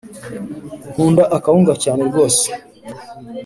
Nkunda akawunga cyane rwose